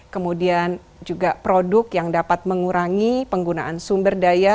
kemudian juga produk yang dapat mengurangi penggunaan sumber daya